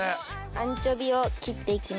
アンチョビを切っていきます。